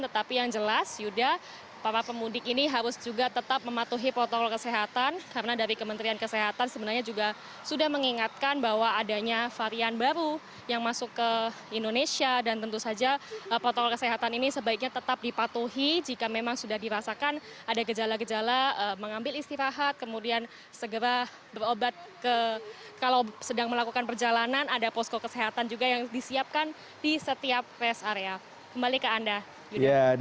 tetapi yang jelas yuda para pemudik ini harus juga tetap mematuhi protokol kesehatan karena dari kementerian kesehatan sebenarnya juga sudah mengingatkan bahwa adanya varian baru yang masuk ke indonesia dan tentu saja protokol kesehatan ini sebaiknya tetap dipatuhi jika memang sudah dirasakan ada gejala gejala mengambil istirahat kemudian segera berobat ke kalau sedang melakukan perjalanan ada posko kesehatan juga yang disiapkan di setiap rest area kembali ke anda yuda